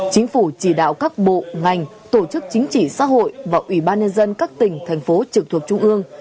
chính phủ chỉ đạo các bộ ngành tổ chức chính trị xã hội và ủy ban nhân dân các tỉnh thành phố trực thuộc trung ương